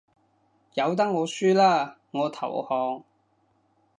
由得我輸啦，我投降